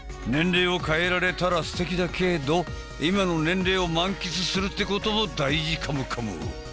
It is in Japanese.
年齢を変えられたらすてきだけど今の年齢を満喫するってことも大事かもかも。